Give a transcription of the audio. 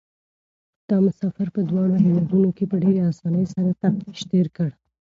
دا مسافر په دواړو هېوادونو کې په ډېرې اسانۍ سره تفتيش تېر کړ.